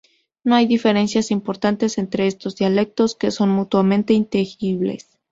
No hay diferencias importantes entre estos dialectos, que son mutuamente inteligibles.